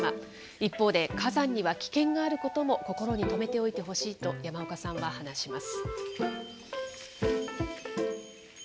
一方で、火山には危険があることも心に留めておいてほしいと、山岡さんは話します。